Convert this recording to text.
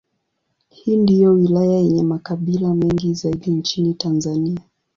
Hii ndiyo wilaya yenye makabila mengi zaidi nchini Tanzania.